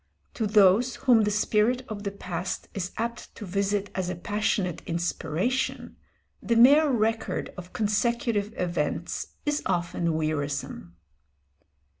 To those whom the spirit of the past is apt to visit as a passionate inspiration, the mere record of consecutive events is often wearisome.